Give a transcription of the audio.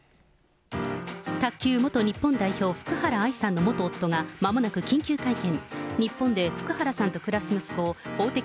卓球元日本代表、福原愛さんの元夫が、まもなく緊急会見。